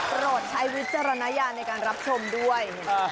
โปรดใช้วิจารณญาณในการรับชมด้วย